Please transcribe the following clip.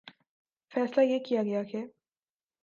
فیصلہ یہ کیا گیا کہ